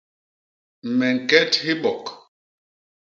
Me ñket hibok.